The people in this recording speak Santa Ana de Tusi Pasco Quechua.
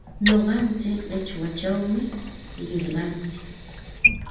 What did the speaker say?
Nuqantsik qichpachawmi qillqantsik.